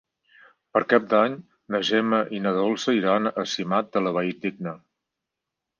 Per Cap d'Any na Gemma i na Dolça iran a Simat de la Valldigna.